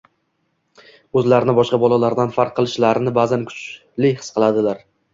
o‘zlarini boshqa bolalardan farq qilishlarini ba’zan kuchli his qiladilar.